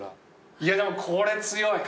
いやでもこれ強い。